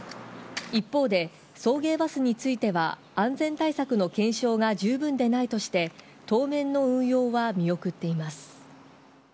一方で、送迎バスについては、安全対策の検証が十分でないとして、当面の運用は見送っています。